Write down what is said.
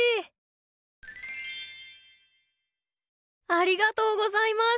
ありがとうございます。